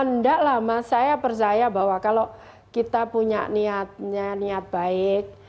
enggak lah mas saya percaya bahwa kalau kita punya niatnya niat baik